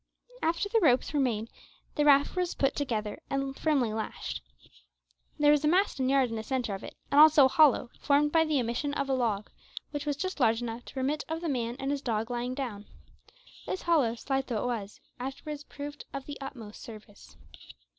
After the ropes were made, the raft was put together and firmly lashed. There was a mast and yard in the centre of it, and also a hollow, formed by the omission of a log, which was just large enough to permit of the man and his dog lying down. This hollow, slight though it was, afterwards proved of the utmost service.